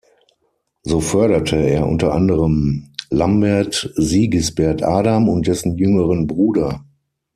So förderte er unter anderem Lambert-Sigisbert Adam und dessen jüngeren Bruder.